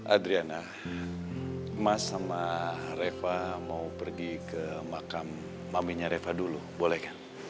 adriana mas sama reva mau pergi ke makam maminya reva dulu boleh gak